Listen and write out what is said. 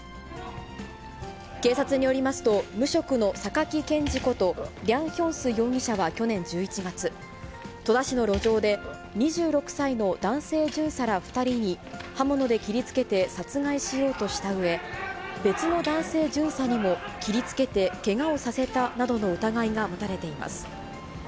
警察によりますと、無職の榊賢治ことリャン・ヒョンス容疑者は去年１１月、戸田市の路上で２６歳の男性巡査ら２人に刃物で切りつけて殺害しようとしたうえ、別の男性巡査にも切りつけてけがをさせたなどの疑いが持たれています。